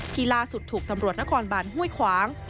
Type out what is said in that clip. ล่าสุดถูกตำรวจนครบานห้วยขวาง